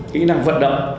kĩ năng vận động